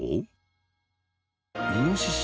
イノシシ？